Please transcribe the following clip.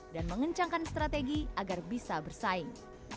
dan mengencangkan strategi agar bisa bersaing